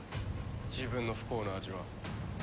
自分の不幸の味は。